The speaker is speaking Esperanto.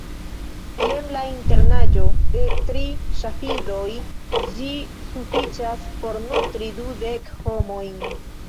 Jen la internaĵo de tri ŝafidoj: ĝi sufiĉas por nutri dudek homojn.